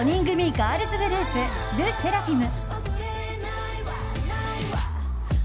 ガールズグループＬＥＳＳＥＲＡＦＩＭ。